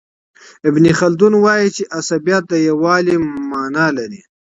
ابن خلدون وايي چي عصبیت د یووالي معنی لري.